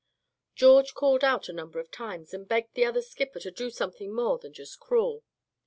George called out a number of times, and begged the other skipper to do something more than just crawl.